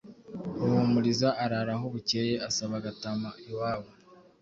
Ruhumuriza arara aho bukeye asaba Gatama iwabo.